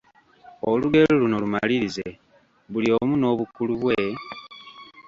Olugero luno lumalirize: Buli omu n'obukulu bwe, …..